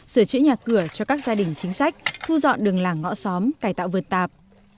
sửa chữa nhà cửa cho các gia đình chính sách thu dọn đường làng ngõ xóm cải tạo vượt tạp